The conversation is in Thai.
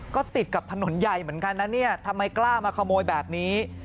ก็ติดกับถนนใหญ่เหมือนกันนะเนี่ยทำไมกล้ามาขโมยแบบนี้